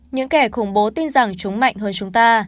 những kẻ khủng bố tin rằng chúng mạnh hơn chúng ta